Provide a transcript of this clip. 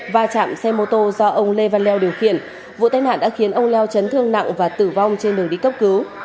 và chạm xe mô tô do ông lê văn leo điều khiển vụ tai nạn đã khiến ông leo chấn thương nặng và tử vong trên đường đi cấp cứu